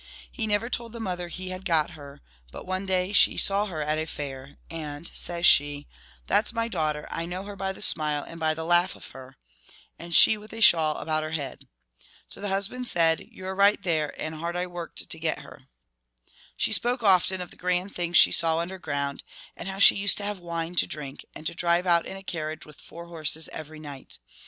He never told the mother he had got her; but one day she saw her at a fair, and, says she, "That 's my daughter; I know her by the smile and by the laugh of her," and she with a shawl about her head. So the husband said, " You 're right there, and hard I worked to get her." She spoke often of the grand things she saw underground, and how she used to have wine to drink, and to drive out in a carriage with four horses every night.